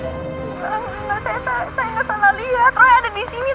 saya gak salah lihat roy ada di sini tadi